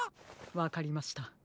わかりました。